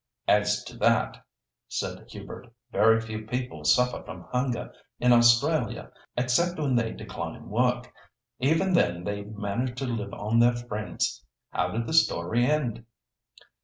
"As to that," said Hubert, "very few people suffer from hunger in Australia, except when they decline work. Even then, they manage to live on their friends. How did the story end?"